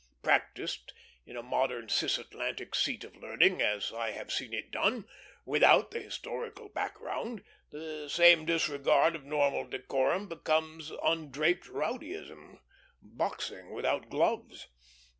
Practised in a modern Cis Atlantic seat of learning, as I have seen it done, without the historical background, the same disregard of normal decorum becomes undraped rowdyism boxing without gloves.